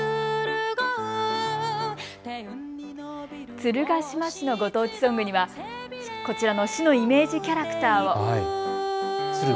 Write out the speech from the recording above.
鶴ヶ島市のご当地ソングにはこちらの市のイメージキャラクターを。